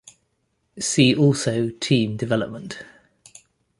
See also Team development.